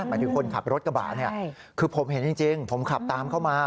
หมายถึงคนขับรถกระบะเนี่ยคือผมเห็นจริงผมขับตามเข้ามา